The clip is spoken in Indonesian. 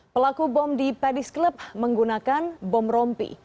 pelaku bom di pedis club menggunakan bom rompi